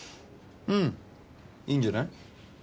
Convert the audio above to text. うんいいんじゃない？